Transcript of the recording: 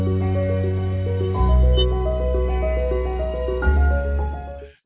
untuk menjaga kekuatan dan kekuatan yang lebih baik